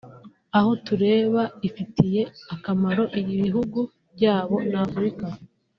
aho tureba ifitiye akamaro ibihugu byabo na Afurika